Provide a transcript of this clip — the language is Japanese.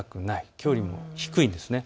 きょうよりも低いんですね。